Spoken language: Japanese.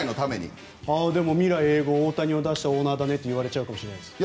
未来永劫、大谷を出したオーナーだねって言われちゃうかもしれないです。